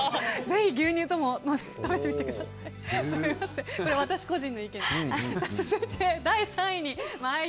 ぜひ牛乳とも食べてみてください。